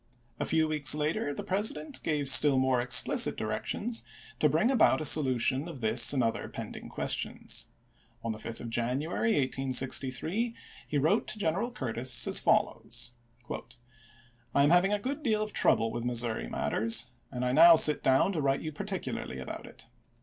A few weeks later the President gave still more explicit directions to bring about a solution of this and other pending questions. On the 5th of Jan uary, 1863, he wrote to General Curtis as follows : Lincoln to Curtis, Dec. 10, 1862. M8. I am having a good deal of trouble with Missouri matters, and I now sit down to write you particularly about it.